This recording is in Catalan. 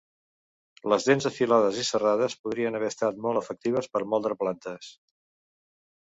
Les dents afilades i serrades podrien haver estat molt efectives per moldre plantes.